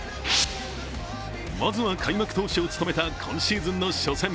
まずは、開幕投手を務めた今シーズンの初戦。